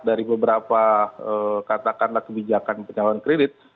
dari beberapa katakanlah kebijakan penyaluran kredit